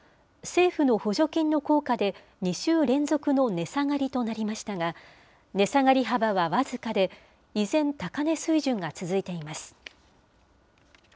政府の補助金の効果で、２週連続の値下がりとなりましたが、値下がり幅は僅かで、依然、高値水準が続いています。